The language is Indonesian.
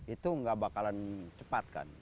itu nggak bakalan cepatkan